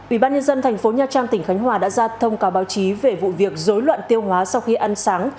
ủy ban nhân dân thành phố nha trang tỉnh khánh hòa đã ra thông cáo báo chí về vụ việc dối loạn tiêu hóa sau khi ăn sáng